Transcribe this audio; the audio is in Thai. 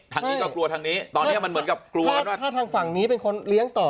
ทางนี้ก็กลัวทางนี้ตอนนี้มันเหมือนกับกลัวกันว่าถ้าทางฝั่งนี้เป็นคนเลี้ยงต่อ